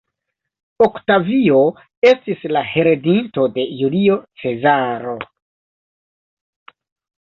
Oktavio estis la heredinto de Julio Cezaro.